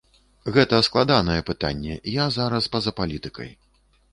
Гэта складанае пытанне, я зараз па-за палітыкай.